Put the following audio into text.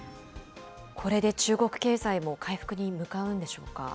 これで中国経済も回復に向かうんでしょうか。